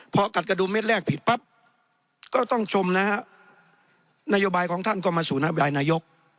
พอกัดกระดุมเม็ดแรกผิดปั๊บก็ต้องชมนะฮะนโยบายของท่านก็มาสู่นโยบายนายก